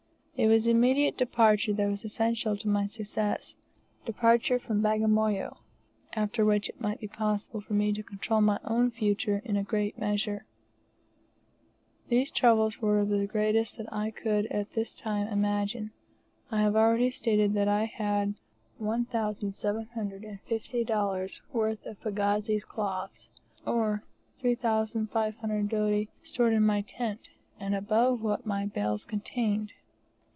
It was immediate departure that was essential to my success departure from Bagamoyo after which it might be possible for me to control my own future in a great measure. These troubles were the greatest that I could at this time imagine. I have already stated that I had $1,750 worth of pagazis' clothes, or 3,500 doti, stored in my tent, and above what my bales contained.